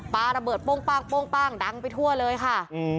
ปลาระเบิดป้องป้างป้องป้างดังไปทั่วเลยค่ะอืม